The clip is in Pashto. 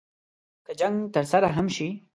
که جنګ ترسره هم شي.